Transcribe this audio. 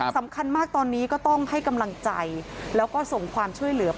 สำคัญมากตอนนี้ก็ต้องให้กำลังใจแล้วก็ส่งความช่วยเหลือ